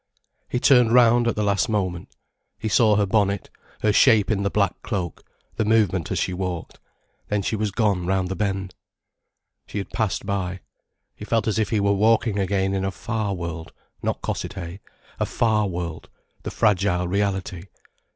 He turned round at the last moment. He saw her bonnet, her shape in the black cloak, the movement as she walked. Then she was gone round the bend. She had passed by. He felt as if he were walking again in a far world, not Cossethay, a far world, the fragile reality.